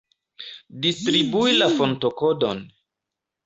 Distribui la fontokodon.